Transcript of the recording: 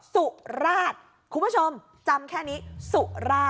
สุราชคุณผู้ชมจำแค่นี้สุราช